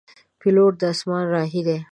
پیلوټ د اسمان راهی دی.